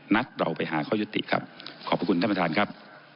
นัดเราไปหาข้อยุติครับขอบพระคุณท่านประธานครับ